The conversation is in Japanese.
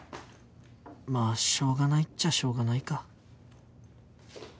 まあしょうがないっちゃしょうがないか